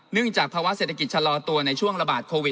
จากภาวะเศรษฐกิจชะลอตัวในช่วงระบาดโควิด